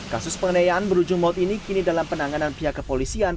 kasus pengenayaan berujung maut ini kini dalam penanganan pihak kepolisian